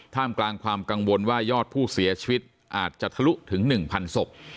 กลางความกังวลว่ายอดผู้เสียชีวิตอาจจะทะลุถึง๑๐๐ศพ